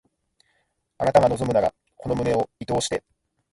あなたが望むならこの胸を射通して